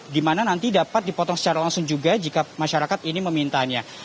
di mana nanti dapat dipotong secara langsung juga jika masyarakat ini memintanya